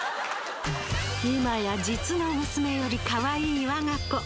今や実の娘よりかわいい我が子。